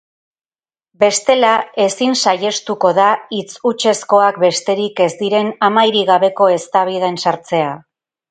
Bestela ezin saihestuko da hitz hutsezkoak besterik ez diren amairik gabeko eztabaidan sartzea.